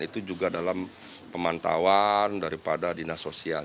itu juga dalam pemantauan daripada dinas sosial